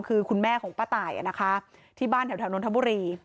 คือคุณแม่ของป้าตายนะคะที่บ้านแถวนนทบุรี